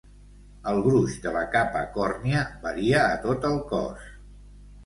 El gruix de la "capa còrnia" varia a tot el cos.